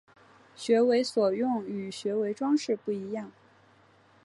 学为所用与学为‘装饰’不一样